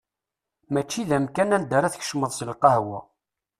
Mačči d amkan anda ara tkecmeḍ s lqahwa.